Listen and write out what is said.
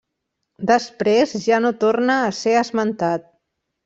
Després ja no torna a ser esmentat.